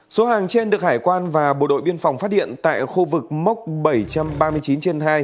số hàng trên được hải quan và bộ đội biên phòng phát hiện tại khu vực mốc bảy trăm ba mươi chín trên hai